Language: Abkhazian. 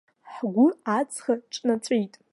Ҳгәы аҵӷа ҿнаҵәеит!